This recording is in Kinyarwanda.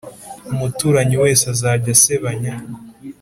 umuturanyi wese azajya asebanya